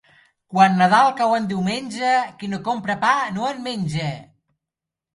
Quan Nadal cau en diumenge, qui no compra pa no en menja.